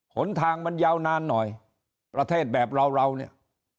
หนทางมันยาวนานหน่อยประเทศแบบเราเราเนี่ย